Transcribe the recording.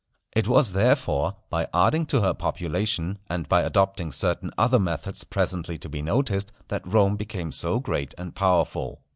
It was, therefore, by adding to her population, and by, adopting certain other methods presently to be noticed, that Rome became so great and powerful.